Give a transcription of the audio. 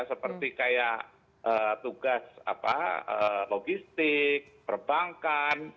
seperti kayak tugas logistik perbankan